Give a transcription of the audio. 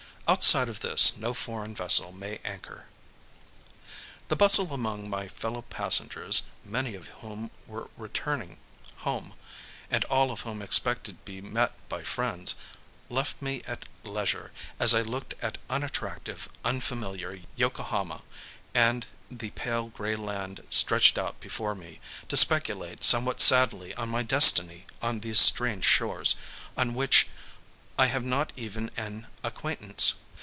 Outside of this no foreign vessel may anchor. The bustle among my fellow passengers, many of whom were returning home, and all of whom expected to be met by friends, left me at leisure, as I looked at unattractive, unfamiliar Yokohama and the pale grey land stretched out before me, to speculate somewhat sadly on my destiny on these strange shores, on which I have not even an acquaintance.